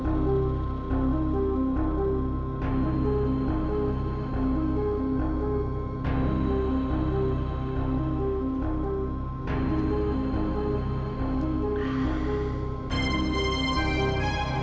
jadi kau sudah ambil